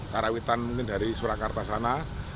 karawitan mungkin dari surakarta sana